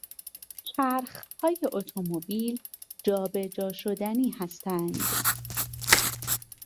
چرخهای اتومبیل جابجا شدنی هستند.